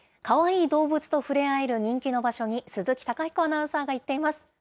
かわいい動物と触れ合える人気の場所に、鈴木貴彦アナウンサーが行っています。